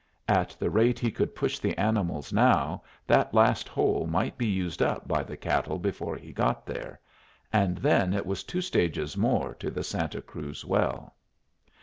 At the rate he could push the animals now that last hole might be used up by the cattle before he got there and then it was two stages more to the Santa Cruz well.